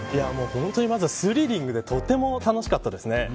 本当にスリリングでとても楽しかったですね。